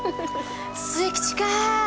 末吉か。